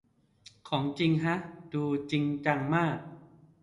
ของจริงฮะ ดูจริงจังมาก